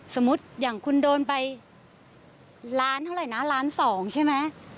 สมมุติอย่างคุณโดนไปล้านเท่าไหร่นะล้านสองใช่ไหม